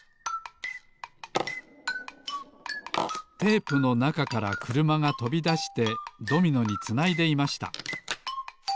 テープのなかからくるまがとびだしてドミノにつないでいました